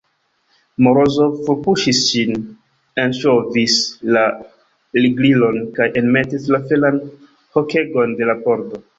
Morozov forpuŝis ŝin, enŝovis la riglilon kaj enmetis la feran hokegon de la pordo.